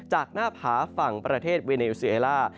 จากหน้าผาฝั่งประเทศเวเนลซีเอล่า